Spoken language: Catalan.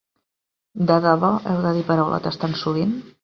De debò heu de dir paraulotes tan sovint?